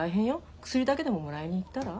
薬だけでももらいに行ったら？